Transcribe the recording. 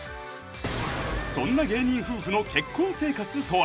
そんな芸人夫婦の結婚生活とは？